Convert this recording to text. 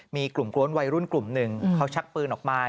มีกลุ่มกวนวัยรุ่นกลุ่มหนึ่งเขาชักปืนออกมา